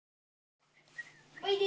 おいで。